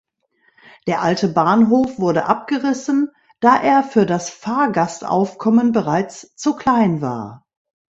Der alte Bahnhof wurde abgerissen, da er für das Fahrgastaufkommen bereits zu klein war.